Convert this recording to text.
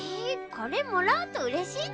これもらうとうれしいの？